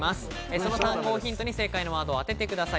その単語をヒントに正解のワードを当ててください。